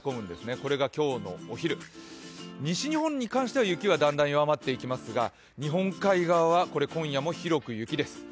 これが今日のお昼、西日本に関しては雪はだんだんと弱まっていきますが日本海側は今夜も広く雪です。